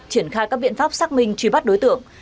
triển khai các biện pháp xác minh truy bắt đối tượng